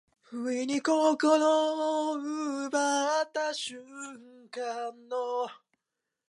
その西洋人の優れて白い皮膚の色が、掛茶屋へ入るや否いなや、すぐ私の注意を惹（ひ）いた。